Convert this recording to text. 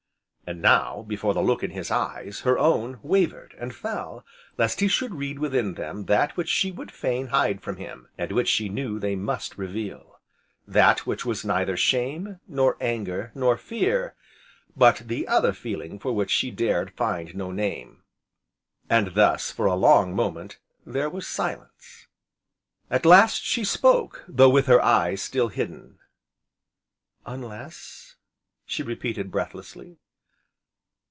And now, before the look in his eyes, her own wavered, and fell, lest he should read within them that which she would fain hide from him, and which she knew they must reveal, that which was neither shame, nor anger, nor fear, but the other feeling for which she dared find no name. And thus, for a long moment, there was silence. At last she spoke, though with her eyes still hidden: "Unless!" she repeated breathlessly.